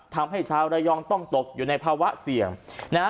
ทำให้ชาวระยองต้องตกอยู่ในภาวะเสี่ยงนะฮะ